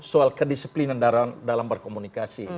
soal kedisiplinan dalam berkomunikasi